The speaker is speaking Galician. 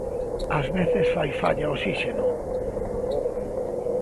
Ás veces fai falla osíxeno.